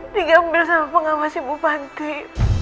dikambil sama pengawas ibu panti